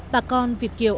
bà con việt kiều